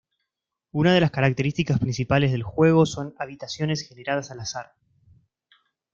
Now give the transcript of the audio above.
Una de las características principales del juego son habitaciones generadas al azar.